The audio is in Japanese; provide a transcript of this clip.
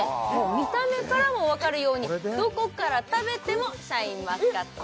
見た目からも分かるようにどこから食べてもシャインマスカットです